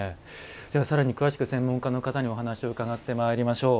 さらに詳しく専門家の方にお話を伺ってまいりましょう。